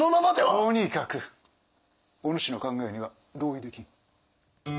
とにかくお主の考えには同意できん。